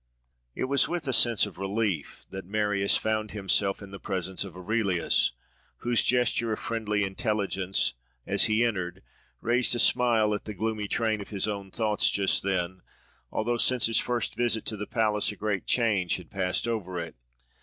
It was with a sense of relief that Marius found himself in the presence of Aurelius, whose gesture of friendly intelligence, as he entered, raised a smile at the gloomy train of his own thoughts just then, although since his first visit to the palace a great change had passed over it.